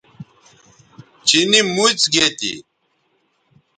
چینی موڅ گے تھی